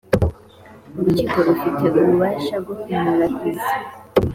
urukiko rufite ububasha bwokumurahiza.